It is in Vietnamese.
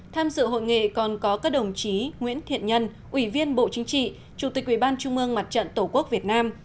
tham dự hội nghị còn có các đồng chí nguyễn thiện nhân ủy viên bộ chính trị chủ tịch ủy ban trung mương mặt trận tổ quốc việt nam